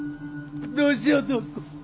どうしよう徳子！